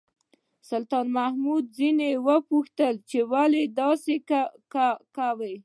سلطان محمود ځنې وپوښتل چې ولې داسې کا.